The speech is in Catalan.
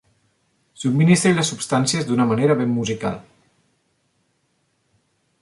Subministri les substàncies d'una manera ben musical.